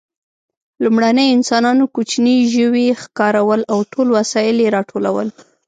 لومړنیو انسانانو کوچني ژوي ښکارول او ټول وسایل یې راټولول.